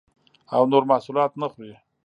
او نور محصولات نه خوري